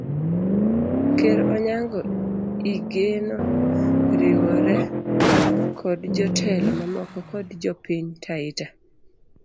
Ker Onyango igeno riwore kod jotelo mamoko kod jopiny taita